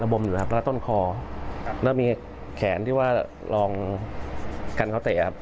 ระบมอยู่นะครับระละต้นคอแล้วมีแขนที่ว่าลองกันเขาเตะ